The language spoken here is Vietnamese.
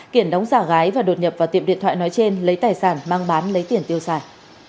kiển đóng giả gái và đột nhập vào tiệm điện thoại nói trên lấy tài sản mang bán lấy tiền tiêu xài